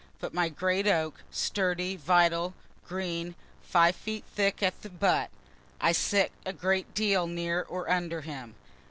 But my great oak sturdy, vital, green five feet thick at the butt. I sit a great deal near or under him.